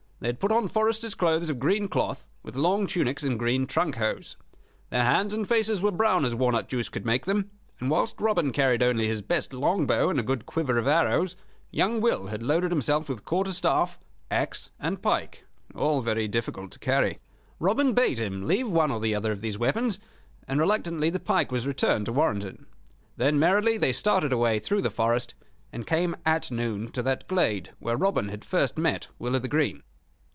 They had put on foresters' clothes of green cloth, with long tunics and green trunk hose. Their hands and faces were brown as walnut juice could make them; and whilst Robin carried only his best longbow and a good quiver of arrows, young Will had loaded himself with quarter staff, axe, and pike, all very difficult to carry. Robin bade him leave one or the other of these weapons, and reluctantly the pike was returned to Warrenton. Then merrily they started away through the forest, and came at noon to that glade where Robin had first met Will o' th' Green.